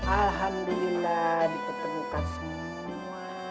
alhamdulillah dipertemukan semua